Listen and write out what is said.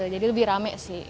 jadi lebih rame sih